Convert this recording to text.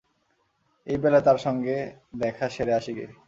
এই বেলা তাঁর সঙ্গে দেখা সেরে আসি গে।